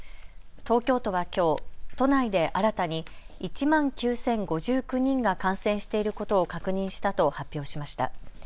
東京都はきょう都内で新たに１万９０５９人が感染していることを確認したと発表しました。